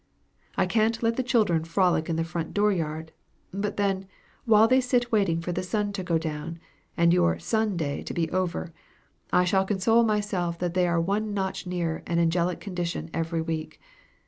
I can't let the children frolic in the front dooryard; but then, while they sit waiting for the sun to go down, and your Sun day to be over, I shall console myself that they are one notch nearer an angelic condition every week.